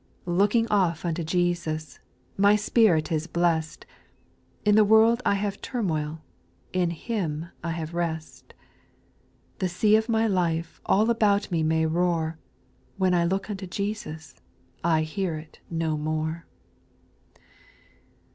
8. Looking off unto Jesus, My spirit is blest, — In the world I have turmoil, In Him I have rest. The sea of my life All about me may roar, — When I look unto Jesus I hear it no more.